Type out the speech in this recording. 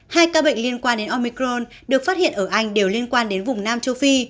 hai ca bệnh liên quan đến omicron được phát hiện ở anh đều liên quan đến vùng nam châu phi